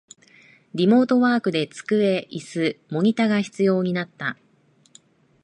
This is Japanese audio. リモートワークで机、イス、モニタが必要になった